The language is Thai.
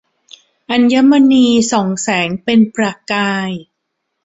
อัญมณีส่องแสงเป็นประกาย